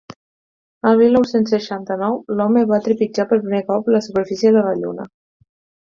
El mil nou-cents seixanta-nou l'home va trepitjar per primer cop la superfície de la lluna.